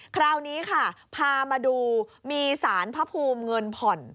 คราวนี้ค่ะพามาดูมีสารพระภูมิเงินผ่อน